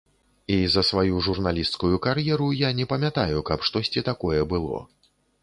І за сваю журналісцкую кар'еру я не памятаю, каб штосьці такое было.